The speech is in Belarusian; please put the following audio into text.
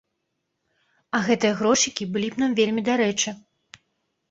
А гэтыя грошыкі былі б нам вельмі дарэчы.